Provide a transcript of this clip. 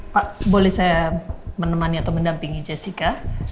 pak boleh saya menemani atau mendampingi jessica